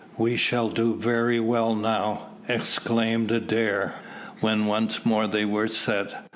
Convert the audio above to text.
"We shall do very well now," exclaimed Adair, when once more they were set.